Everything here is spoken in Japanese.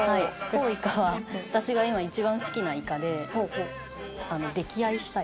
コウイカは私が今一番好きなイカで溺愛したい。